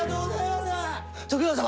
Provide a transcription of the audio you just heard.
徳川様！